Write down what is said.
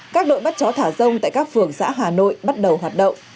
các đội bắt chó thả rông tại các phường xã hà nội bắt đầu hoạt động